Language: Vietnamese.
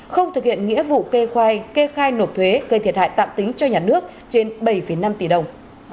không thực hiện nghĩa vụ kê khoai kê khai nộp thuế gây thiệt hại tạm tính cho nhà nước trên bảy năm tỷ đồng